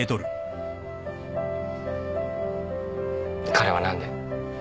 彼は何で？